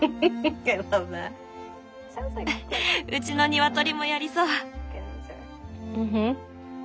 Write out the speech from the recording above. うちのニワトリもやりそう。